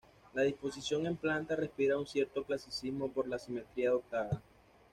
La disposición en planta respira un cierto clasicismo, por la simetría adoptada.